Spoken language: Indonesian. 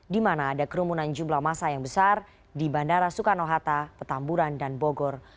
di mana ada kerumunan jumlah masa yang besar di bandara soekarno hatta petamburan dan bogor